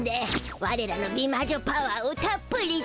われらの美魔女パワーをたっぷりと。